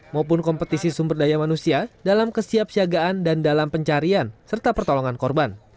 maupun kompetisi sumber daya manusia dalam kesiapsiagaan dan dalam pencarian serta pertolongan korban